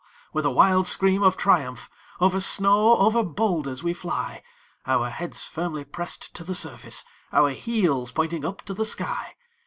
with a wild scream of triumph, Over snow, over boulders we fly, Our heads firmly pressed to the surface, Our heels pointing up to the sky!